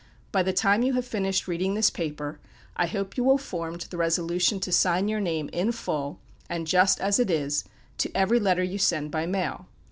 By the time you have finished reading this paper, I hope you will have formed the resolution to sign your name "in full," and just as it is, to every letter you send by the mail.